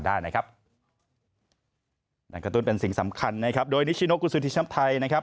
นั่นก็ต้นเป็นสิ่งสำคัญนะครับโดยนิชิโนคุณสุธิชัมพ์ไทยนะครับ